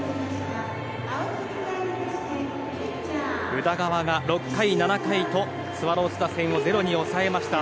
宇田川が６回、７回とスワローズ打線をゼロに抑えました。